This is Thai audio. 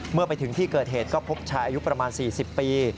เมื่อไปถึงที่เกิดเหตุก็พบชายอายุประมาณ๔๐ปี